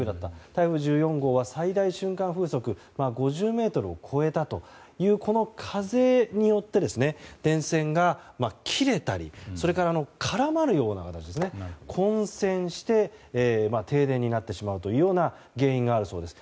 台風１４号は最大瞬間風速５０メートルを超えたという風によって、電線が切れたりそれから絡まるような形で混線して、停電になってしまうというような原因があるそうです。